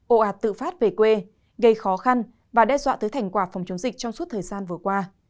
ổ ạt tự phát về quê gây khó khăn và đe dọa tới thành quả phòng chống dịch trong suốt thời gian vừa qua